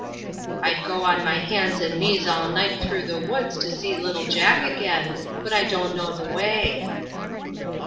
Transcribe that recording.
"I'd go on my hands and knees all night through the woods to see little Jack again, but I don't know the way."